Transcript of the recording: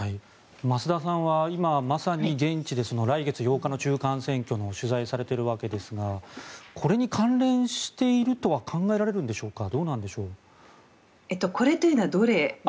増田さんは今まさに現地で来月８日の中間選挙の取材をされているわけですがこれに関連しているとは考えられるんでしょうか？